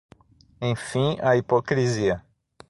Enfim, a hipocrisia